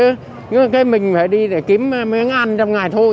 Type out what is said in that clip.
nhưng mà cái mình phải đi để kiếm miếng ăn trong ngày thôi